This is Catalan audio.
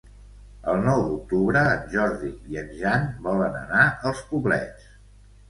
El nou d'octubre en Jordi i en Jan volen anar als Poblets.